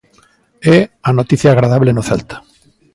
É a noticia agradable no Celta.